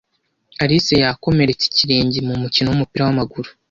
Alice yakomeretse ikirenge mu mukino wumupira wamaguru.